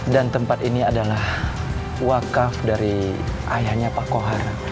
dan tempat ini adalah wakaf dari ayahnya pak kohar